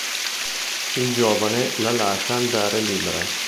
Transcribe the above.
Il giovane la lascia andare libera.